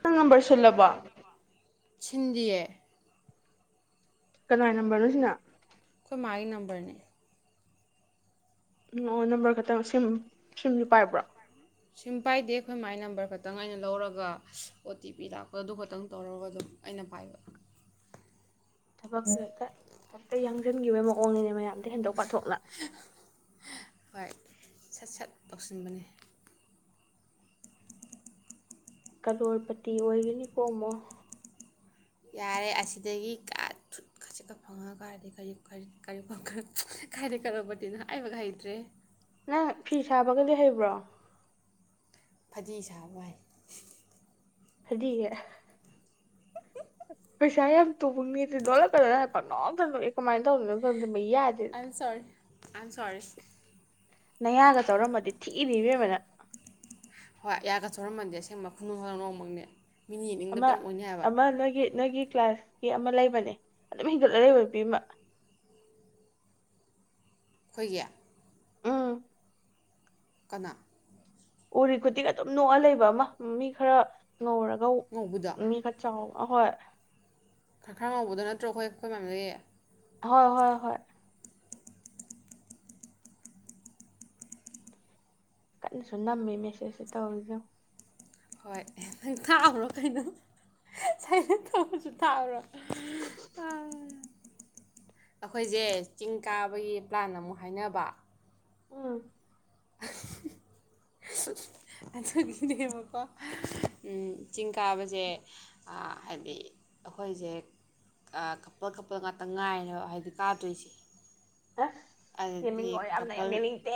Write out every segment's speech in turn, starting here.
ꯅꯪ ꯅꯝꯕꯔꯁꯤꯜꯂꯕꯣ ꯁꯤꯟꯗꯤꯌꯦ ꯀꯅꯥ ꯅꯝꯕꯔꯅꯣ ꯁꯤꯅ ꯃꯥꯥꯏ ꯅꯝꯕꯝꯕꯔꯅꯦ ꯎꯝ ꯑꯣ ꯅꯝꯕꯔ ꯈꯛꯇꯪ ꯁꯦꯝꯁꯨ ꯄꯥꯏꯕ꯭ꯔꯣ ꯁꯤꯨꯝ ꯄꯥꯏꯗꯦ ꯑꯩꯈꯣꯏ ꯃꯥꯏ ꯅꯝꯕꯔ ꯈꯛꯇꯪ ꯑꯩꯅ ꯂꯧꯔꯒ ꯑꯣ ꯇꯤ ꯄꯤ ꯂꯥꯛꯄꯗ ꯑꯗꯨ ꯈꯛꯇꯪ ꯇꯧꯔꯒ ꯑꯗꯨꯝ ꯑꯩꯅ ꯄꯥꯏꯕ ꯊꯕꯛꯁ ꯍꯦꯛꯇ ꯍꯦꯛꯇ ꯌꯥꯡꯁꯤꯟꯈꯤꯕꯒꯤ ꯃꯑꯣꯡꯅꯤꯅꯦ ꯃꯌꯥꯝꯗ ꯍꯦꯟꯗꯣꯛ ꯄꯥꯊꯣꯛꯅ ꯍꯣꯏ ꯁꯠ ꯁꯠ ꯇꯧꯁꯤꯟꯕꯅꯤ ꯀꯂꯣꯔꯄꯇꯤ ꯑꯣꯏꯒꯅꯤꯀꯣ ꯑꯃꯃꯣ ꯌꯥꯔꯦ ꯑꯁꯤꯗꯒꯤ ꯀ ꯊꯨꯠ ꯈꯖꯤꯠ ꯈꯠ ꯐꯪꯉꯀꯔꯗꯤ ꯀꯔꯤ ꯈꯗꯤ ꯀꯔꯧꯕꯗꯤꯅꯣ ꯍꯥꯏꯕ ꯍꯩꯇ꯭ꯔꯦ ꯅꯪ ꯐꯤ ꯁꯥꯕꯒꯗꯤ ꯍꯩꯕ꯭ꯔꯣ ꯐꯗꯤ ꯁꯥꯕ ꯍꯥꯏ ꯍꯥꯏꯗꯤꯒꯦ ꯄꯩꯁꯥ ꯌꯥꯝ ꯇꯨꯕ ꯃꯤꯗꯤ ꯅꯣꯂꯛꯀꯗ ꯍꯥꯏ ꯄꯥꯛ ꯀꯃꯥꯏꯅ ꯇꯧꯗꯅꯣ ꯑꯟꯁꯣꯔ ꯑꯟꯁꯣꯔ ꯅꯌꯥꯒ ꯆꯧꯔꯝꯃꯗꯤ ꯊꯤꯅꯤꯕꯕꯅ ꯍꯣꯏ ꯑꯒꯠ ꯁꯧꯔꯝꯃꯗꯤꯦ ꯑꯁꯦꯡꯕ ꯈꯨꯅꯨꯡ ꯅꯣꯡꯃꯛꯅꯦ ꯑꯃ ꯑꯃ ꯅꯣꯏꯒꯤ ꯅꯣꯏꯒꯤ ꯀ꯭ꯂꯥꯁꯀꯤ ꯑꯃ ꯂꯩꯕꯅꯦ ꯑꯗꯨꯝ ꯍꯦꯟꯒꯠꯂ ꯂꯩꯕꯕꯤꯃ ꯑꯩꯈꯣꯏꯒꯤꯌꯥ ꯎꯝ ꯀꯅꯥ ꯎꯔꯤ ꯈꯨꯗꯤꯤꯒ ꯑꯗꯨꯝ ꯅꯣꯛꯑ ꯂꯩꯕ ꯑꯃ ꯃꯤ ꯈꯔ ꯉꯧꯔꯒ ꯉꯧꯕꯗꯣ ꯃꯤ ꯈ ꯆꯥꯎ ꯑꯍꯣꯏ ꯈꯔ ꯈꯔ ꯉꯧꯕꯗꯣ ꯅꯠꯇ꯭ꯔꯣ ꯑꯩꯈꯣꯏ ꯑꯩꯈꯣꯏ ꯃꯌꯥꯝꯗꯒꯤ ꯍꯣꯏ ꯍꯣꯏ ꯍꯣꯏ ꯀꯟꯅꯁꯨ ꯅꯝꯃꯦ ꯃꯦꯁꯦꯁꯁꯦ ꯇꯧꯔꯗꯣ ꯍꯣꯏ ꯅꯪ ꯊꯥꯛꯎ꯭ꯔꯣ ꯀꯩꯅꯣ ꯁꯥꯏꯅ ꯇꯧꯕꯁꯨ ꯊꯥꯛꯎꯔꯣ ꯑꯩꯈꯣꯏꯁꯦ ꯆꯤꯡ ꯀꯥꯕꯒꯤ ꯄ꯭ꯂꯥꯟ ꯑꯃꯨꯛ ꯍꯥꯏꯅꯕ ꯎꯝ ꯑꯗꯨꯒꯤꯅꯦꯕꯀꯣ ꯆꯤꯡ ꯀꯥꯕꯁꯦ ꯍꯥꯏꯗꯤ ꯑꯩꯈꯣꯏꯁꯦ ꯀꯄꯜ ꯀꯄꯜ ꯉꯥꯛꯇ ꯉꯥꯏꯔꯦ ꯍꯥꯏꯕꯗꯤ ꯀꯥꯗꯣꯏꯁꯦ ꯑ ꯑꯗꯨꯗꯤ ꯌꯦꯡꯅꯤꯡꯉꯣ ꯌꯥꯝꯅ ꯀꯄꯜ ꯌꯥꯝ ꯌꯦꯡꯅꯤꯡꯗꯦ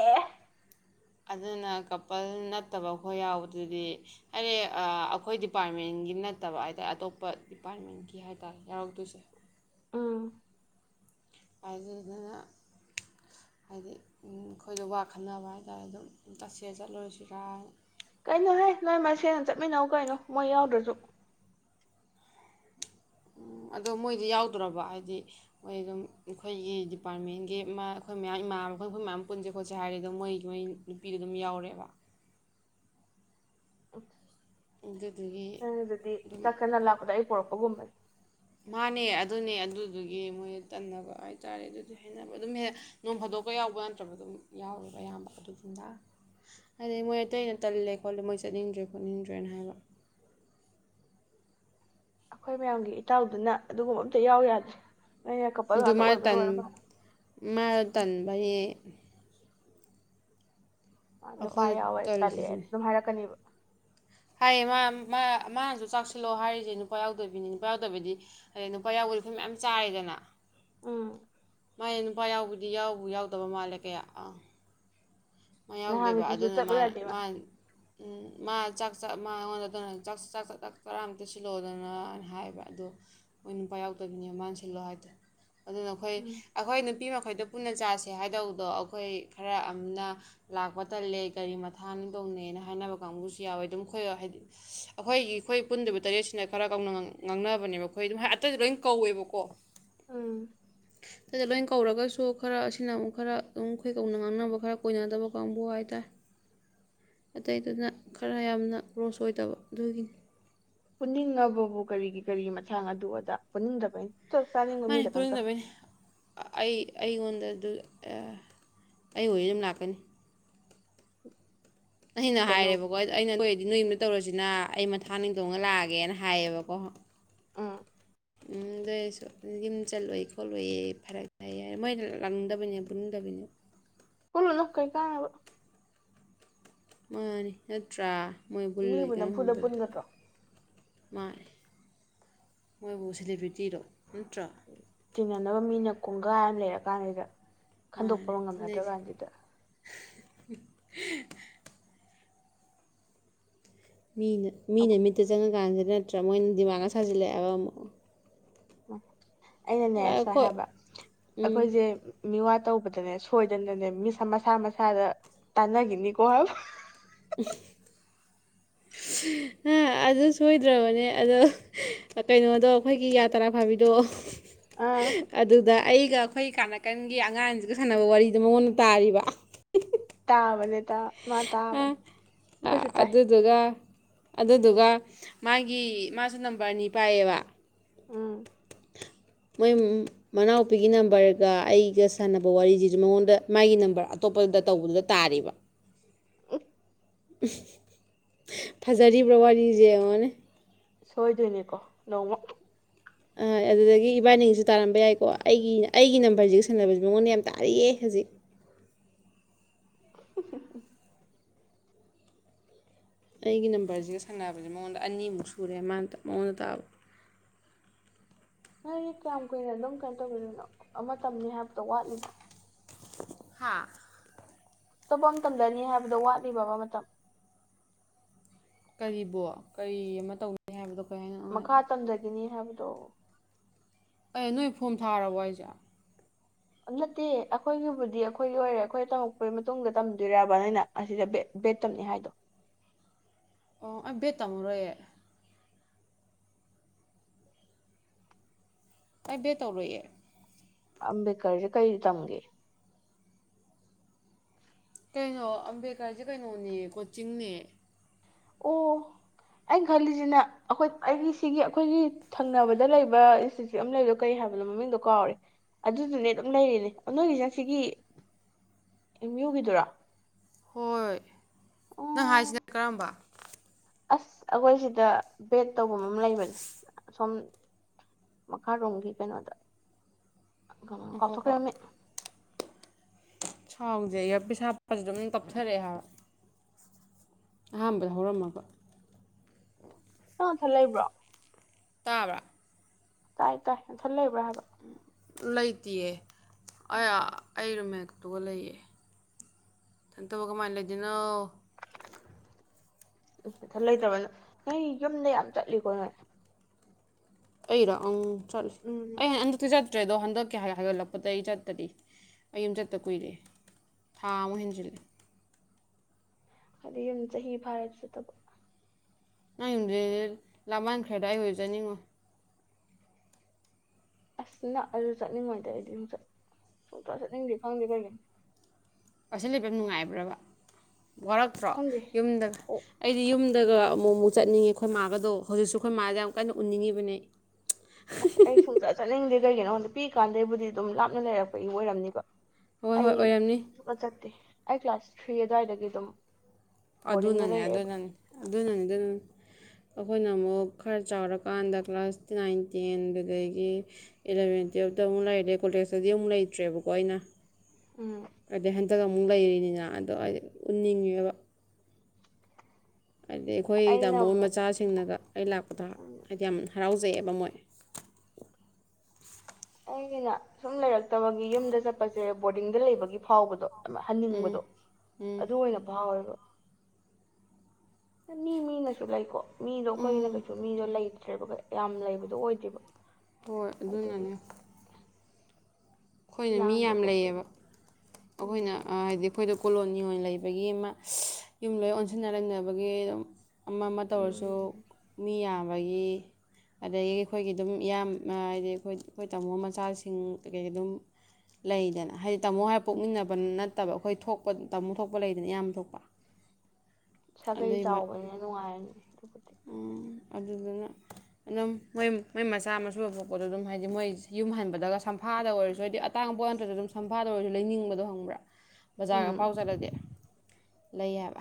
ꯑꯗꯨꯅ ꯀꯄꯜ ꯅꯠꯇꯕ ꯈꯣꯏ ꯌꯥꯎꯕꯗꯨꯗꯤ ꯍꯥꯏꯔꯦ ꯑꯩꯈꯣꯏ ꯗꯤꯄꯥꯔꯠꯃꯦꯟꯒꯤ ꯅꯠꯇꯕ ꯍꯥꯏꯇꯥꯔꯦ ꯑꯇꯣꯞꯄ ꯗꯤꯄꯥꯔꯠꯃꯦꯟꯒꯤ ꯍꯥꯏ ꯇꯥꯔꯦ ꯌꯥꯎꯔꯛꯇꯣꯏꯁꯦ ꯎꯝ ꯑꯗꯨꯗꯅ ꯍꯥꯏꯗꯤ ꯑꯩꯈꯣꯏꯗ ꯋꯥ ꯈꯟꯅꯕ ꯍꯥꯏꯇꯥꯔꯦ ꯑꯗꯨꯝ ꯇꯠꯁꯦ ꯆꯠꯂꯨꯔꯁꯤꯔꯥ ꯀꯩꯅꯣꯍ ꯅꯣꯏ ꯃꯁꯦꯡꯅ ꯆꯠꯃꯤꯟꯅꯧ ꯀꯩꯅꯣ ꯃꯣꯏ ꯌꯥꯎꯗ꯭ꯔꯁꯨ ꯎꯝ ꯑꯗꯣ ꯃꯣꯏꯗꯤ ꯌꯥꯎꯗ꯭ꯔꯕ ꯍꯥꯏꯗꯤ ꯃꯣꯏ ꯑꯗꯨꯝ ꯑꯩꯈꯣꯏꯒꯤ ꯗꯤꯄꯥꯔꯠꯃꯦꯟꯒꯤ ꯃꯥ ꯑꯩꯈꯣꯏ ꯃꯌꯥꯝ ꯏꯃꯥꯕꯣꯏ ꯑꯩꯈꯣꯏ ꯃꯌꯥꯝ ꯄꯨꯟꯁꯦ ꯈꯣꯠꯁꯦ ꯍꯥꯏꯔꯗꯤꯗꯣ ꯃꯣꯏꯒꯤ ꯃꯣꯏ ꯅꯨꯄꯤꯗ ꯑꯗꯨꯝ ꯌꯥꯎꯔꯦꯕ ꯎꯝ ꯑꯗꯨꯗꯨꯒꯤ ꯍ ꯑꯗꯨꯗꯤ ꯑꯗꯨꯝ ꯆꯥꯛꯀꯅ ꯂꯥꯛꯄꯗ ꯑꯩ ꯄꯔꯛꯄ ꯑꯣꯃꯦ ꯃꯥꯅꯦ ꯑꯗꯨꯅꯦ ꯑꯗꯨꯗꯨꯒꯤ ꯃꯣꯏ ꯇꯟꯅꯕ ꯍꯥꯏꯇꯥꯔꯦ ꯑꯗꯨꯗꯤ ꯍꯦꯟꯅꯕ ꯑꯗꯨꯝ ꯅꯣꯡ ꯐꯥꯗꯣꯛꯄ ꯌꯥꯎꯕ ꯅꯠꯇ꯭ꯔꯕ ꯑꯗꯨꯝ ꯌꯥꯎꯋꯦꯕ ꯑꯌꯥꯝꯕ ꯑꯗꯨꯗꯨꯗ ꯍꯥꯏꯗꯤ ꯃꯣꯏ ꯑꯇꯩ ꯑꯅ ꯇꯜꯂꯦ ꯈꯣꯠꯂꯦ ꯃꯣꯏ ꯆꯠꯅꯤꯡꯗ꯭ꯔꯦ ꯈꯣꯠꯅꯤꯡꯗ꯭ꯔꯦꯅ ꯍꯥꯏꯕ ꯑꯩꯈꯣꯏ ꯃꯌꯥꯝꯒꯤ ꯏꯇꯥꯎꯗꯨꯅ ꯑꯗꯨꯒꯨꯝꯕ ꯑꯝꯇ ꯌꯥꯎ ꯌꯥꯗꯦ ꯅꯩꯅ ꯀꯄꯜ ꯉꯥꯛꯇ ꯑꯣꯏꯕꯒꯤ ꯑꯣꯏꯔꯕ꯭ꯔꯥ ꯃꯔꯇꯟꯕ ꯅꯨꯄꯥ ꯑꯩꯈꯣꯏ ꯌꯥꯎꯋꯦ ꯇꯂ ꯍꯥꯏ ꯇꯜꯂꯤꯁꯤꯅꯦ ꯑꯗꯨꯝ ꯍꯥꯏꯔꯛꯀꯅꯤꯕ ꯍꯥꯏꯌꯦ ꯃꯥ ꯃꯥ ꯃꯥꯅꯁꯨ ꯆꯥꯛꯁꯤꯜꯂꯣ ꯍꯥꯏꯔꯤꯁꯦ ꯅꯨꯄꯥ ꯌꯥꯎꯗꯕꯤꯅꯤ ꯅꯨꯄꯥ ꯌꯥꯎꯗꯕꯤꯗꯤ ꯑꯗꯩ ꯅꯨꯄꯥ ꯌꯥꯎꯕꯗꯤ ꯑꯩꯈꯣꯏ ꯃꯌꯥꯝ ꯆꯥꯔꯦꯗꯅ ꯑꯝ ꯃꯥꯒꯤ ꯅꯨꯄꯥ ꯌꯥꯎꯕꯗꯤ ꯌꯥꯎꯕꯨ ꯌꯥꯎꯗꯕ ꯃꯥꯜꯂꯦ ꯀꯌꯥ ꯑꯥ ꯃꯥ ꯌꯥꯎꯗꯦꯕ ꯅꯍꯥꯟꯒꯤꯗꯨꯁꯨ ꯑꯗꯨꯅ ꯆꯠꯂꯨ ꯃꯥ ꯌꯥꯗꯦꯕ ꯃꯥ ꯎꯝ ꯃꯥ ꯆꯥꯛ ꯆ ꯃꯥ ꯑꯩꯉꯣꯟꯗꯗꯅ ꯆꯥꯛ ꯆꯥꯛ ꯆꯥꯛ ꯀꯔꯥꯝꯇ ꯁꯤꯜꯂꯛꯣꯗꯅꯅ ꯍꯥꯏꯌꯦꯕ ꯑꯗꯣ ꯃꯣꯏ ꯅꯨꯄꯥ ꯌꯥꯎꯗꯕꯤꯅꯦ ꯃꯥꯅ ꯁꯤꯜꯂꯣ ꯍꯥꯏꯇꯥꯔꯦ ꯑꯗꯨꯅꯈꯣꯏ ꯎꯝ ꯑꯩꯈꯣꯏ ꯅꯨꯄꯤ ꯃꯈꯩꯗꫭ ꯄꯨꯟꯅ ꯆꯥꯁꯦ ꯍꯥꯏꯗꯧꯕꯗꯣ ꯑꯩꯈꯣꯏ ꯈꯔ ꯑꯃꯅ ꯂꯥꯛꯄ ꯇꯜꯂꯦ ꯒꯥꯔꯤ ꯃꯊꯥꯡ ꯑꯅꯤ ꯇꫭꯡꯅꯩꯅ ꯍꯥꯏꯅꯕ ꯀꯥꯡꯕꯨꯁꯨ ꯌꯥꯎꯋꯦ ꯑꯗꯨꯝ ꯑꯩꯈꯣꯏ ꯍꯥꯏꯗꯤ ꯑꯩꯈꯣꯏꯒꯤ ꯑꯩꯈꯣꯏ ꯄꯨꯟꯗꯨꯏꯕ ꯇꯔꯦꯠꯁꯤꯅ ꯈꯔ ꯀꯧꯅ ꯉꯥꯡꯅꯕꯅꯦꯕ ꯑꯩꯈꯣꯏ ꯑꯗꯨꯝ ꯑꯇꯩꯗꯤ ꯂꯣꯏ ꯀꯧꯋꯦꯕꯀꯣ ꯎꯝ ꯑꯇꯩꯗ ꯂꯣꯏ ꯀꯧꯔꯒꯁꯨ ꯈꯔ ꯑꯁꯤꯅ ꯑꯃꯨꯛ ꯈꯔ ꯑꯗꯨꯝ ꯑꯩꯈꯣꯏ ꯀꯧꯅ ꯉꯥꯡꯅꯕ ꯈꯔ ꯀꯣꯏꯅꯗꯕ ꯀꯥꯡꯕꯨ ꯍꯥꯏꯇꯥꯔꯦ ꯑꯇꯩꯗꯨꯅ ꯈꯔ ꯌꯥꯝꯅ ꯀ꯭ꯂꯣꯁ ꯑꯣꯏꯗꯕ ꯑꯗꯨꯒꯤꯅꯤ ꯄꯨꯅꯤꯡꯉꯕꯕꯨ ꯀꯔꯤꯒꯤ ꯀꯔꯤꯒꯤ ꯃꯊꯥꯡ ꯑꯗꯨ ꯑꯗꯥ ꯄꯨꯅꯤꯡꯗꯕꯩꯅꯤ ꯆꯥꯛ ꯆꯥꯅꯤꯡꯕ ꯃꯤ ꯃꯥꯅꯦ ꯈꯛꯇꯪ ꯆꯥꯎ ꯄꯨꯅꯤꯡꯗꯕꯩꯅꯤ ꯑꯩ ꯑꯩꯉꯣꯟꯗ ꯑꯗꯨ ꯑꯩ ꯑꫭꯥꯗꯤ ꯑꯗꯨꯝ ꯂꯥꯛꯀꯅꯤ ꯑꯩꯅ ꯀꯩꯅꯣ ꯍꯥꯏꯔꯦꯕꯀꯣ ꯑꯩꯅ [unintelligible] ꯗꯨꯗꯤ ꯅꯣꯏ ꯌꯨꯝꯗ ꯇꯧꯔꯁꯤꯅ ꯑꯩ ꯃꯊꯥꯡ ꯑꯅꯤ ꯇꫭꯡꯉ ꯂꯥꯛꯑꯒꯦꯅ ꯍꯥꯏꯌꯦꯕꯀꯣ ꯎꯝ ꯑꯗꯨ ꯑꯩꯁꯨ ꯌꯨꯝ ꯆꯠꯂꯨꯏ ꯈꯣꯠꯂꯨꯏꯌꯦ ꯐꯔꯛ ꯇꯥꯏ ꯍꯥꯏ ꯃꯣꯏꯅ ꯂꯥꯛꯅꯤꯡꯗꯕꯩꯅꯤ ꯄꯨꯅꯤꯡꯗꯕꯩꯅꯤꯕ ꯄꯨꯂꯨꯅꯨ ꯀꯣ ꯀꯥꯅꯕ ꯃꯥꯅꯤ ꯅꯠꯇ꯭ꯔꯥ ꯃꯣꯏ ꯕꯨꯜ ꯃꯤꯕꯨ ꯅꯝꯐꯨꯗ ꯄꯨꯟꯒꯗ꯭ꯔꯣ ꯃꯥꯅꯦ ꯃꯣꯏꯕꯨ ꯁꯦꯂꯤꯕ꯭ꯔꯤꯇꯤꯔꫭ ꯇꯤꯟꯅꯅꯕ ꯃꯤꯅ ꯀꯨꯡꯒꯥ ꯏꯑꯃ ꯂꯩꯔ ꯀꯥꯟꯁꯤꯗ ꯃꯥꯅꯤ ꯈꯟꯗꯣꯛꯄꯒ ꯉꯝꯅꯠꯇ꯭ꯔ ꯊꯤꯅꯩꯁꯦ ꯀꯥꯟꯁꯤꯗ [unintelligible] ꯃꯤꯅ ꯃꯤꯅ ꯃꯤꯠꯇ ꯆꯪꯉꯀꯥꯟꯁꯤꯗ ꯆꯥꯃꯨꯟ ꯃꯣꯏꯅ ꯗꯤꯃꯥꯟꯒ ꯁꯥꯖꯤꯟꯂꯤꯕ ꯑꯃꯨꯛ [unintelligible] ꯑꯩꯅꯅꯦ ꯁꯥꯏ ꯑꯩꯈꯣꯏ ꯍꯥꯏꯕ ꯎꯝ ꯑꯩꯈꯣꯏꯁꯦ ꯃꯤꯋꯥ ꯇꯧꯕꯗꯅꯦ ꯁꯣꯏꯗꯅꯅꯦ ꯃꯤꯁ ꯃꯁꯥ ꯃꯁꯥꯗ ꯇꯥꯟꯅꯒꯤꯅꯤꯀꯣ ꯍꯥꯏꯕ ꯑꯗꯨ ꯁꯣꯏꯗ꯭ꯔꯕꯅꯦ ꯑꯗꯣ ꯀꯩꯅꯣꯗꯣ ꯑꯩꯈꯣꯏꯒꯤ ꯌꯥ ꯇꯔꯥ ꯐꯥꯕꯤꯗꯣ ꯑꯥ ꯑꯗꯨꯗ ꯑꯩꯒ ꯑꯩꯈꯣꯏ ꯀꯥꯅꯀꯟꯒꯤ ꯑꯉꯥꯡꯁꯤꯒ ꯁꯥꯟꯅꯕ ꯋꯥꯔꯤꯗꯣ ꯃꯉꯣꯟꯗ ꯇꯥꯔꯤꯕ ꯇꯥꯕꯅꯦ ꯇꯥ ꯃꯥ ꯇꯕꯅꯤ ꯑ ꯑ, ꯑꯩꯈꯣꯏꯁꯨ ꯇꯥꯏ ꯑꯗꯨꯗꯨꯒ ꯑꯗꯨꯗꯨꯒ ꯃꯥꯒꯤ ꯃꯥꯁꯨ ꯅꯝꯕꯔꯅꯤ ꯄꯥꯏꯌꯦꯕ ꯎꯝ ꯃꯣꯏ ꯃꯅꯥꯎꯄꯤꯒꯤ ꯅꯝꯕꫪꯒ ꯑꯩꯒ ꯁꯥꯟꯅꯕ ꯋꯥꯔꯤꯁꯤꯁꯨ ꯃꯉꯣꯟꯗ ꯃꯥꯒꯤ ꯅꯝꯕꫪ ꯑꯇꯣꯞꯄꯗ ꯇꯧꯕꯗꯨꯗ ꯇꯥꯔꯤꯕ ꯐꯖꯔꯤꯕ꯭ꯔꯥ ꯋꯥꯔꯤꯁꯦ ꯌꯦꯉꫭꯅꯦ ꯁꯣꯏꯗꯣꯏꯅꯦꯀꯣ ꯅꯣꯡꯃ ꯑ ꯑꯗꯨꯗꯒꯤ ꯏꯕꯥꯅꯤꯒꯤꯁꯨ ꯇꯥꯔꯝꯕ ꯌꯥꯏꯀꯣ ꯑꯩꯒꯤ ꯑꯩꯒꯤ ꯅꯝꯕꫪꯁꯤꯒ ꯁꯟꯅꯕꯁꯦ ꯃꯉꯣꯟꯗ ꯌꯥꯝ ꯇꯥꯔꯤꯀꯣ ꯍꯧꯖꯤꯛ ꯑꯩꯒꯤ ꯅꯝꯕꫪꯁꯤꯒ ꯁꯥꯟꯅꯕꯁꯦ ꯃꯉꯣꯟꯗ ꯑꯅꯤꯃꯨꯛ ꯁꯨꯔꯦ ꯃꯥꯅ ꯃꯉꯣꯟꯗ ꯇꯥꯕ ꯅꯣꯏ ꯀꯌꯥꯝ ꯀꯨꯏꯅ ꯑꯗꯨꯝ ꯀꯩꯅꯣ ꯇꯧꯒꯗꯣꯏꯅꯣ ꯑꯃ ꯇꯧꯅꯤ ꯍꯥꯏꯕꯗꫭ ꯋꯥꯠꯂꯤꯕꫭ ꯍꯥꯥ ꯑꯇꯣꯞꯄ ꯃ ꯇꯝꯂꯅꯤ ꯍꯥꯏꯕꯗꯣ ꯋꯥꯠꯂꯤꯕꯕ ꯃꯇꯝ ꯀꯔꯤꯕꯣ ꯀꯔꯤ ꯑꯃ ꯇꯧꯅꯤ ꯍꯥꯏꯕꯗꯣ ꯀꯥ ꯃꯈꯥ ꯇꯝꯊꯒꯤꯅꯤ ꯍꯥꯏꯕꯗꯣ ꯑꯦ ꯅꯣꯏ ꯐꯣꯝ ꯊꯥꯔꯕꯣ ꯍꯥꯏꯁꯦ ꯅꯠꯇꯦ ꯑꯩꯈꯣꯏꯒꯤꯕꯨꯗꯤ ꯑꯩꯈꯣꯏꯒꯤ ꯑꯣꯏꯔꯦ ꯑꯩꯈꯣꯏ ꯇꯝꯃꯛꯄꯒꯤ ꯃꯇꯨꯡꯗ ꯇꯝꯗꯣꯏꯔꯕ ꯅꯣꯏꯅ ꯑꯁꯤꯗ ꯕꯦ ꯕꯦꯠ ꯇꯝꯅꯤ ꯍꯥꯏꯗꯣ ꯑꯣ ꯑꯩ ꯕꯦꯠ ꯇꯝ ꯂꯣꯏꯔꯦ ꯑꯩ ꯕꯦꯠ ꯇꯧꯔꯣꯏ ꯌꯦ ꯑꯝꯕꯦꯗꯀꯔꯁꯦ ꯀꯩ ꯇꯝꯒꯦ ꯀꯩꯅꯣ ꯑꯝꯕꯦꯗꯀꯔꯁꯦ ꯀꯩꯅꯣꯅꯦ ꯀꯣꯠꯆꯤꯡꯅꯦ ꯑꯣ ꯑꯩꯅ ꯈꯜꯂꯤꯁꯤꯅ ꯑꯩꯈꯣꯏ ꯑꯩꯒꯤ ꯁꯤꯒꯤ ꯑꯩꯈꯣꯏꯒꯤ ꯊꯪꯅꯕꯗ ꯂꯩꯕ ꯏꯟꯁꯇꯤꯇ꯭ꯌꯨꯠ ꯑꯃ ꯂꯩꯕꯗꯣ ꯀꯩ ꯍꯥꯏꯕꯅꯣ ꯃꯃꯤꯡꯗꯣ ꯀꯥꯎꯒ꯭ꯔꯦ ꯑꯗꯨꯗꯨꯅꯦ ꯑꯗꯨꯝ ꯂꯩꯔꯤꯅꯦ ꯅꯣꯏꯒꯤꯁꯤꯅ ꯁꯤꯒꯤ ꯑꯥꯝꯌꯨ ꯒꯤꯗꯨꯔꯥ ꯍꯣꯏ ꯅꯪ ꯑꯣ ꯍꯥꯏꯁꯤꯅ ꯀꯔꯝꯕ ꯑꯁ ꯑꯈꯣꯏ ꯁꯤꯗ ꯕꯦꯠ ꯇꯧꯕꯝ ꯑꯃ ꯂꯩꯕꯅꯤ ꯁꯣꯝ ꯃꯈꯥꯔꯣꯝꯒꯤ ꯀꯩꯅꯣꯗ ꯑ ꯀꯥ ꯀꯥꯎꯊꯣꯛꯈ꯭ꯔꯦ ꯉꯈꯣꯀꯣ ꯃꯃꯤꯡ ꯁꯥꯎꯁꯦ ꯑꯌꯥꯔꯄꯤꯁ ꯍꯥꯞꯄꯁꯤ ꯑꯗꯨꯝ ꯇꯞꯊꯔꯛꯑꯦ ꯍꯥꯏꯕ ꯑꯍꯥꯟꯕꯗ ꯍꯧꯔꯝꯃꯒ ꯅꯪ ꯅꯊꯟ ꯂꯩꯕ꯭ꯔꯣ ꯇꯥꯕ꯭ꯔꯥ ꯇꯥꯏ ꯇꯥꯏ ꯅꯊꯟ ꯂꯩꯕ꯭ꯔꯥ ꯍꯥꯏꯕ ꯕꯥ ꯂꯩꯇꯦꯌꯦ ꯑꯩ ꯑꯥ ꯑꯩ ꯔꯨꯝꯃꯦꯠꯇꯨꯒ ꯂꯩꯌꯦ ꯏꯇꯟꯇꯕꯨ ꯀꯃꯥꯏꯅ ꯂꯩꯗꯣꯏꯅꯣ ꯅꯊꯟ ꯂꯩꯇꯕꯅ ꯅꯣꯏ ꯌꯨꯝꯗ ꯌꯥꯝ ꯆꯠꯂꯤꯀꯣ ꯅꯣꯏ ꯑꯩꯔꯣ ꯑꯪ ꯆꯠꯂꯦ ꯎꯝ ꯑꯩ ꯍꯟꯗꯛꯇꯤ ꯆꯠꯇꯗ꯭ꯔꯦꯗꯣ ꯍꯟ ꯍꯟꯗꯛ ꯀꯌꯥ ꯍꯥꯏ ꯍꯥꯏꯒꯠꯂꯛꯄꯗ ꯑꯩ ꯆꯠꯇꯔꯤ ꯑꯩ ꯌꯨꯝ ꯆꯠꯇ ꯀꯨꯏꯔꯦ ꯊꯥ ꯑꯃ ꯍꯦꯟꯖꯤꯜꯂꯦ ꯍꯥꯏꯗꯤ ꯌꯨꯝ ꯆꯍꯤ ꯐꯥꯔꯦ ꯑꯩꯁꯨ ꯆꯠꯇꯕ ꯅꯪ ꯌꯨꯝꯁꯦ ꯂꯥꯃꯟꯈ꯭ꯔꯦꯗ ꯑꯩ ꯑꯣꯏꯖꯨ ꯆꯠꯅꯤꯡꯉꯣꯏ ꯑꯁ ꯅꯛꯑꯁꯨ ꯆꯠꯅꯤꯡꯉꯣꯏꯗ ꯑꯩꯗꯤ ꯁꯨꯡꯆꯠ ꯁꯨꯡꯆꯠ ꯆꯠꯅꯤꯡꯗꯦ ꯈꯪꯗꯦ ꯀꯔꯤꯒꯤꯅꯣ ꯑꯁꯤ ꯂꯩꯕꯝ ꯅꯨꯡꯉꯥꯏꯕ꯭ꯔꯕ ꯋꯥꯔꯛꯇ꯭ꯔꯣ ꯈꯪꯗꯦ ꯌꯨꯝꯗ ꯑꯣ ꯑꯩꯗꯤ ꯌꯨꯝ ꯇꯒ ꯑꯃꯨꯛ ꯑꯃꯨꯛ ꯆꯠꯅꯤꯡꯉꯦ ꯑꯩꯈꯣꯏ ꯃꯥꯒꯗꯣ ꯍꯧꯖꯤꯛꯁꯨ ꯑꯩꯈꯣꯏ ꯃꯥꯁꯦ ꯌꯥꯝ ꯀꯟꯅ ꯎꯅꯤꯡꯉꯤꯕꯅꯦ ꯑꯁ ꯑꯩ ꯁꯨꯡꯆꯠ ꯆꯠꯅꯤꯡꯗꯦ ꯀꯩꯒꯤꯅꯣ ꯈꯪꯗꯦ ꯄꯤꯛꯏꯀꯥꯟꯗꯩꯕꯨꯗꯤ ꯑꯗꯨꯝ ꯂꯥꯞꯅ ꯂꯩꯔꯛꯄꯒꯤ ꯑꯣꯏꯔꯝꯅꯤꯕ ꯍꯣꯏ ꯑꯩ ꯍꯣꯏ ꯑꯣꯏꯔꯝꯅꯤ ꯁꯨꯡꯆꯠ ꯆꯠꯇꯦ ꯑꯩ ꯀ꯭ꯂꯥꯁ ꯊ꯭ꯔꯤ ꯑꯗꯨꯋꯥꯏꯗꯒꯤ ꯑꯗꯨꯝ ꯕꯣꯔꯗꯤꯡꯗ ꯂꯩꯔꯛꯑꯦꯕ ꯑꯗꯨꯅꯅꯦ-ꯑꯗꯨꯅꯅꯦ-ꯑꯗꯨꯅꯅꯦ-ꯑꯗꯨꯅꯅꯦ ꯍꯥ ꯑꯈꯣꯏꯅ ꯑꯃꯨꯛ ꯈꯔ ꯆꯥꯎꯔꯀꯥꯟꯗ ꯀ꯭ꯂꯥꯁ ꯅꯥꯏꯟ ꯇꯦꯟ ꯑꯗꯨꯗꯒꯤ ꯑꯦꯂꯚꯦꯟ ꯇꯨꯌꯦꯜꯞꯇ ꯑꯃꯨꯛ ꯂꯩꯔꯦ ꯀꯣꯂꯦꯖꯇꯗꯤ ꯑꯃꯨꯛ ꯂꯩꯇ꯭ꯔꯦꯕꯀꯣ ꯑꯩꯅ ꯎꯨꯝ ꯍꯥꯏꯗꯤ ꯍꯟꯗꯛ ꯑꯃꯨꯛ ꯂꯩꯔꯤꯅꯤꯅ ꯑꯗꯣ ꯑꯩꯗꯤ ꯎꯠꯅꯤꯡꯉꯦꯕ ꯍꯥꯏꯗꯤ ꯑꯩꯈꯣꯏ ꯑꯩꯅ ꯇꯥꯃꯣ ꯑꯃꯨꯛ ꯃꯆꯥꯁꯤꯡꯅꯒ ꯑꯩ ꯂꯥꯛꯄꯗ ꯍꯥꯏꯗꯤ ꯌꯥꯝ ꯍꯔꯥꯎꯖ [unintelligible] ꯕ ꯃꯣꯏ ꯑꯩꯒꯤꯅ ꯁꯨꯝ ꯂꯩꯔꯛꯇꯕꯒꯤ ꯌꯨꯝꯗ ꯆꯠꯄꯁꯦ ꯕꯣꯔꯗꯤꯡꯗ ꯂꯩꯕꯒꯤ ꯐꯥꯎꯕꯗꯣ ꯎꯝ ꯍꯟꯅꯤꯡꯕꯗꯣ ꯎꯝ ꯑꯗꯨ ꯑꯣꯏꯅ ꯐꯥꯎꯋꯦꯕ ꯃꯤ ꯃꯤꯅꯁꯨ ꯂꯩꯀꯣ ꯃꯤꯗꯣ ꯑꯩꯈꯣꯏꯒꯤꯅ ꯎꯝ ꯀꯩꯁꯨ ꯃꯤꯗꯣ ꯂꯩꯇꯦ ꯊꯦꯕ ꯌꯥꯝ ꯂꯩꯕꯗꯣ ꯑꯣꯏꯗꯦꯕ ꯍꯣꯏ ꯑꯗꯨꯒꯤ ꯑꯗꯨꯅꯅꯦ ꯑꯩꯈꯣꯏꯅ ꯃꯤ ꯂꯥꯡꯕ ꯌꯥꯝ ꯂꯩꯌꯦꯕ ꯈꯣꯠꯄꯗꯣ ꯑꯩꯈꯣꯏꯅ ꯎꯝ ꯍꯥꯏꯗꯤ ꯑꯩꯈꯣꯏꯗꯤ ꯀꫭꯂꫭꯅꯤ ꯅꯤꯉꯣꯜ ꯂꯩꯕꯒꯤ ꯑꯃ ꯌꯨꯝ ꯂꯣꯏ ꯑꯣꯟꯁꯤꯟꯅ ꯂꯩꯅꯕꯒꯤ ꯑꯗꯨꯝ ꯑꯃ ꯑꯃ ꯇꯧꯔꯁꯨ ꯎꯝ ꯃꯤ ꯌꯥꯝ ꯕꯒꯤ ꯑꯗꯒꯤ ꯑꯩꯈꯣꯏꯒꯤ ꯑꯗꯨꯝ ꯏꯌꯥꯝ ꯍꯥꯏꯗꯤ ꯑꯩꯈꯣꯏ ꯑꯩꯈꯣꯏ ꯇꯥꯃꯣ ꯃꯆꯥꯁꯤꯡ ꯀꯩ ꯀꯩ ꯑꯗꯨꯝ ꯂꯩꯗꯅ ꯍꯥꯏ ꯇꯥꯃꯣ ꯍꯥꯏ ꯎꯝ ꯄꯣꯛꯃꯤꯟꯅꯕ ꯅꯠ ꯐꯠꯇꯕ ꯑꯩꯈꯣꯏ ꯊꯣꯛꯄ ꯇꯥꯃꯨ ꯊꯣꯛꯄ ꯂꯩꯗꯅ ꯏꯌꯥꯝ ꯊꯣꯛꯄ ꯁꯥꯒꯩ ꯆꯥꯎꯕꯅꯤꯅ ꯅꯨꯡꯉꯥꯏꯔꯅꯤ ꯎꯝ ꯑꯗꯨꯗꯨꯅ ꯑꯗꯨꯝ ꯃꯣꯏ ꯃꯣꯏ ꯃꯆꯥ ꯃꯁꯨꯕ ꯄꯣꯛꯄꯗꯣ ꯑꯗꯨꯝ ꯍꯥꯏꯗꯤ ꯃꯣꯏ ꯌꯨꯝ ꯍꯟꯕꯗꯒ ꯁꯝꯐꯥꯗ ꯑꯣꯏꯔꯁꯨ ꯍꯥꯏꯗꯤ ꯑꯇꯥꯡꯕ ꯄꯣꯠ ꯉꯇ꯭ꯔꯗ ꯑꯗꯨꯝ ꯁꯝꯐꯥꯗ ꯑꯣꯏꯔꯁꯨ ꯂꯩꯅꯤꯡꯕꯗꯣ ꯈꯪꯕ꯭ꯔꯥ ꯎꯝ ꯕꯖꯥꯔꯒꯐꯥꯎ ꯆꯠꯂꯗꯤ ꯂꯩ ꯍꯥꯏꯕ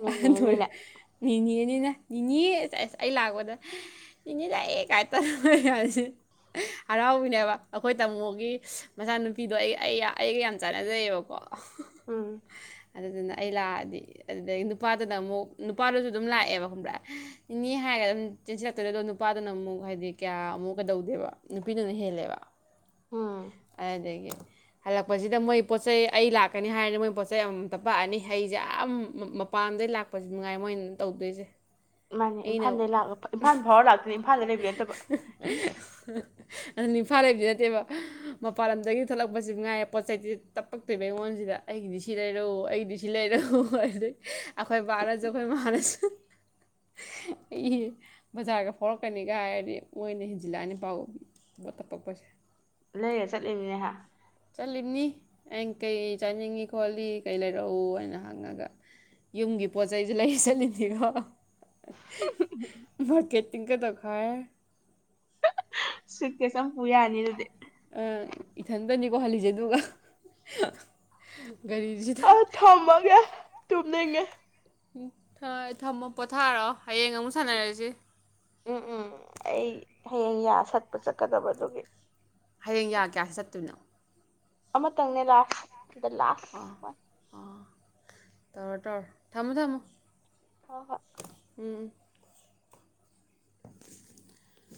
ꯅꯦꯅꯦꯅꯤꯅ [unintelligible] ꯅ ꯅꯤꯅꯦ ꯑꯁ ꯑꯩ ꯂꯥꯛꯄꯗ ꯅꯤꯅꯦ ꯂꯛꯑꯦ ꯀꯥꯏ ꯇꯧꯏ ꯍꯥꯏꯁꯦ ꯍꯔꯥꯎꯕꯅꯦꯕ ꯑꯩꯈꯣꯏ ꯇꯥꯃꯣꯒꯤ ꯃꯆꯥꯅꯨꯄꯤꯗꯣ ꯑꯩꯒ ꯑꯩ ꯑꯩꯒ ꯌꯥꯝ ꯆꯥꯟꯅꯖꯩꯑꯕꯀꯣ ꯎꯝ ꯑꯗꯨꯗꯨꯅ ꯑꯩ ꯂꯥꯛꯑꯗꯤ ꯑꯗꯨꯗꯒꯤ ꯅꯨꯄꯥꯗꯨꯅ ꯑꯃꯨꯛ ꯅꯨꯄꯥꯗꯨꯁꯨ ꯑꯗꯨꯝ ꯂꯥꯛꯑꯦꯕ ꯈꯕ꯭ꯔꯦ ꯅꯤꯅꯦ ꯍꯥꯏꯔꯒ ꯑꯗꯨꯝ ꯆꯦꯟꯁꯤꯜꯂꯛꯇꯣꯏꯔ ꯑꯗꯣ ꯅꯨꯄꯥꯗꯨꯅ ꯑꯃꯨꯛ ꯍꯥꯏꯗꯤ ꯀꯌꯥ ꯑꯃꯨꯛ ꯀꯩꯗꯧꯗꯦꯕ ꯅꯨꯄꯤꯗꯨꯅ ꯍꯦꯜꯂꯦꯕ ꯎꯝ ꯑꯗꯨꯗꯤꯒꯤ ꯍꯜꯂꯛꯄꯁꯤꯗ ꯃꯣꯏ ꯄꯣꯠ ꯆꯩꯩ ꯑꯩ ꯂꯥꯛꯀꯅꯤ ꯍꯥꯏꯔꯅꯤ ꯃꯣꯏ ꯄꯣꯠ ꯆꯩꯩ ꯑꯃꯃꯝꯇ ꯄꯥꯛꯑꯅꯤ ꯑꯩꯁꯦ ꯌꯥꯝ ꯃꯄꯥꯟꯗꯒꯤꯩ ꯂꯥꯛꯄꯁ ꯅꯨꯡꯉꯥꯏ ꯃꯣꯏ ꯇꯧꯗꯣꯏꯁꯦ ꯃꯥꯅꯦ ꯑꯩꯅ ꯏꯝꯐꯥꯜꯗꯩ ꯂꯥꯛ ꯏꯝꯐꯥꯜ ꯐꯥꯎꯔ ꯂꯥꯛꯇꯅꯤ ꯏꯝꯐꯥꯜꯗ ꯂꯩꯕ ꯅꯠꯇꯕ ꯑꯗꯨꯅꯤ ꯏꯝꯐꯥꯜ ꯂꯩꯕꯗꯤ ꯅꯠꯇꯦꯕ ꯃꯄꯥꯟ ꯂꯝꯗꯒꯤ ꯊꯣꯛꯂꯛꯄꯁꯨ ꯅꯨꯡ ꯉꯥꯏꯌꯦ ꯄꯣꯠ ꯆꯩ ꯇꯞꯄꯛꯇꯣꯏꯕ ꯑꯩꯉꯣꯟꯁꯤꯗ ꯑꯩꯒꯤꯗꯤ ꯁꯤ ꯂꯩꯔꯛꯎ ꯑꯩꯒꯤꯗꯤ ꯁꯤ ꯂꯩꯔꯛꯎ ꯑꯗꯨꯩ ꯑꯩꯈꯣꯏ ꯕꯥꯅꯁꯨ ꯑꯩꯈꯣꯏ ꯃꯥꯅꯁꯨ ꯑꯩ ꯕꯖꯥꯔꯒ ꯐꯥꯎꯔꯛꯀꯅꯤꯒ ꯍꯥꯏꯔꯗꯤ ꯃꯣꯏꯅ ꯍꯦꯟꯖꯤꯜꯂꯛꯑꯅꯤ ꯄꯥꯎ ꯄꯣꯠꯇꯞꯄꯛꯄꯁꯦ ꯂꯩꯔꯤ ꯆꯠꯂꯤꯅꯤꯅꯦꯍ ꯆꯠꯂꯤꯕꯅꯤ ꯑ ꯀꯩ ꯆꯥꯅꯤꯡꯉꯤ ꯈꯣꯠꯂꯤ ꯀꯩ ꯂꯩꯔꯛꯎ ꯍꯥꯏꯅ ꯍꯪꯉꯒ ꯌꯨꯝꯒꯤ ꯄꯣꯠ ꯆꯩꯩꯁ ꯂꯩ ꯆꯠꯂꯤꯅꯤꯀꯣ ꯃꯥꯔꯀꯦꯇꯤꯡ ꯀꯗ ꯈꯔ ꯁꯨꯏꯠ ꯀꯩꯁ ꯑꯝ ꯄꯨꯌꯥꯅꯤ ꯑꯗꯨꯗꯤ ꯑ ꯏꯊꯟꯇꯅꯤꯀꯣ ꯍꯜꯂꯤꯁꯦ ꯑꯗꯨꯒ ꯒꯔꯤꯖꯤꯗ ꯇꯨꯝꯅꯤꯡꯉꯩ ꯎꯝ ꯊꯝꯃꯣ ꯄꯣꯊꯥꯔꯑꯣ ꯍꯌꯦꯡ ꯑꯃꯨꯛ ꯁꯥꯟꯅꯔꯁꯤ ꯎꯝ ꯎꯝ ꯑꯩ ꯍꯌꯦꯡ ꯌꯥ ꯁꯛꯄ ꯆꯠꯀꯗꯕꯗꯨꯒꯤ ꯍꯌꯦꯡ ꯌꯥ ꯀꯌꯥꯁꯤ ꯆꯠꯇꯣꯏꯅꯣ ꯑꯃꯇꯪꯅꯦ ꯂꯥꯁ ꯑꯗ ꯂꯥꯁ ꯑꯥ ꯑꯥ ꯇꯧꯔꯣ ꯇꯧꯔꯣ ꯊꯝꯃꯣ ꯊꯝꯃꯣ ꯍ ꯍꯣ ꯎꯝ [inaudible]